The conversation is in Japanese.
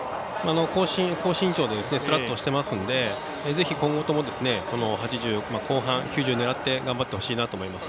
高身長ですらっとしていますのでぜひ、今後とも８０後半、９０狙って頑張ってほしいなと思います。